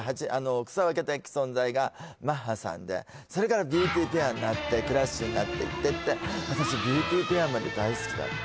草分け的存在がマッハさんでそれからビューティ・ペアになってクラッシュになっていって私ビューティ・ペアまで大好きだった